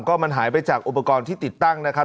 ก็มันหายไปจากอุปกรณ์ที่ติดตั้งนะครับ